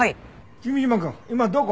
君嶋くん今どこ？